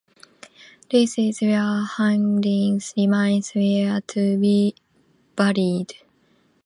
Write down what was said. This is where Henrik's remains were to be buried.